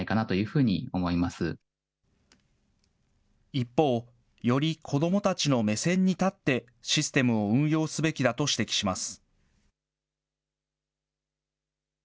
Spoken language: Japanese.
一方、より子どもたちの目線に立ってシステムを運用すべきだと指摘します。